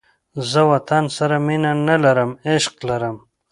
زه وطن سره مینه نه لرم، عشق لرم